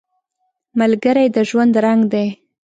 ملګری د ژوند رنګ دی